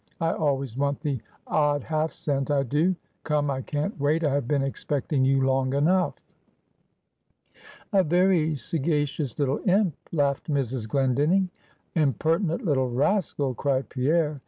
I always want the odd half cent, I do. Come, I can't wait, I have been expecting you long enough.'" "A very sagacious little imp," laughed Mrs. Glendinning. "Impertinent little rascal," cried Pierre.